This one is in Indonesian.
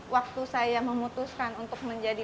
waktu saya memutuskan untuk menjadi